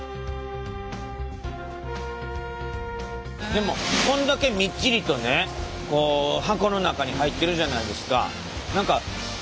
でもこんだけみっちりとね箱の中に入ってるじゃないですか